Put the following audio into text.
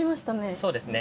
そうですね。